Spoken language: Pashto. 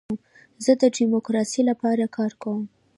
زه د ډیموکراسۍ لپاره کار کوم.